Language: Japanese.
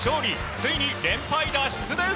ついに連敗脱出です！